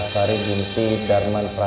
sekarang selesai igurnya